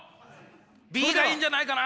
Ｂがいいんじゃないかな？